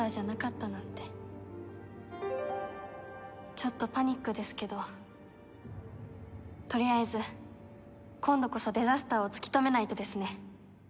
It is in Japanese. ちょっとパニックですけどとりあえず今度こそデザスターを突き止めないとですね。